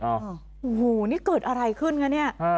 โอ้โหนี่เกิดอะไรขึ้นคะเนี่ย